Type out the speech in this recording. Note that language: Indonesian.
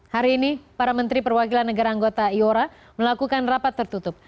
hari ini para menteri perwakilan negara anggota iora melakukan rapat tertutup